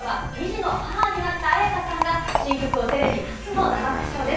９時４５分ごろからは２児の母になった絢香さんが新曲をテレビ初の生歌唱です。